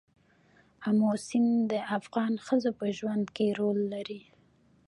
آمو سیند د افغان ښځو په ژوند کې رول لري.